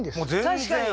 確かに！